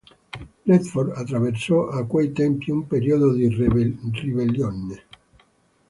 Redford attraversò a quei tempi un periodo di ribellione.